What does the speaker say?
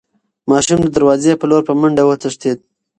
ماشوم د دروازې په لور په منډه وتښتېد.